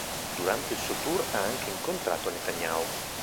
Durante il suo tour ha anche incontrato Netanyahu.